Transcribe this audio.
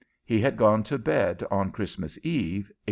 He had gone to bed on Christmas eve, 1898.